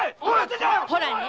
ほらね